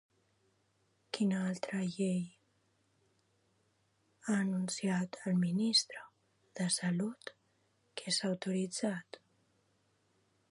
Quina altra llei ha anunciat el ministre de Salut que s'ha autoritzat?